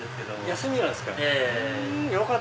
休みなんすか。